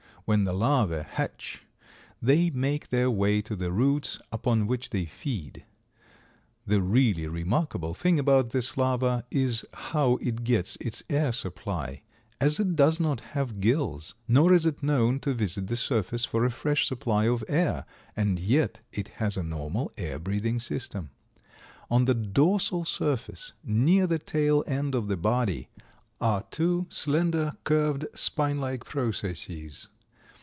When the larvæ hatch they make their way to the roots, upon which they feed. The really remarkable thing about this larva is how it gets its air supply, as it does not have gills, nor is it known to visit the surface for a fresh supply of air, and yet it has a normal air breathing system. On the dorsal surface, near the tail end of the body, are two slender, curved, spine like processes.